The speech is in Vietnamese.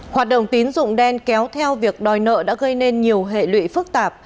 hoạt động tín dụng đen kéo theo việc đòi nợ đã gây nên nhiều hệ lụy phức tạp